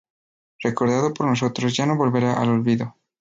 Recordado por nosotros ya no volverá al olvido.